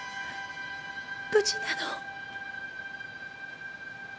無事なの？